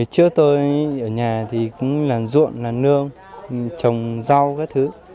trước tôi ở nhà thì cũng là ruộng làm nương trồng rau các thứ